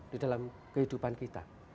di dalam kehidupan kita